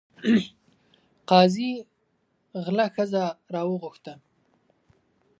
قاضي غله ښځه راوغوښته.